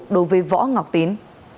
đối với võ ngọc tín